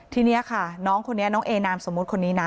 ทีนี้ค่ะน้องคนนี้น้องเอนามสมมุติคนนี้นะ